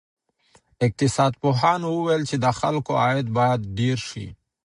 اقتصاد پوهانو وویل چې د خلکو عاید باید ډېر سي.